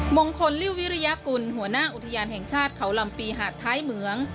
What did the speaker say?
มงคลลิววิริยากุลหัวหน้าอุทยานแห่งชาติเขาลำปีหาดท้ายเหมือง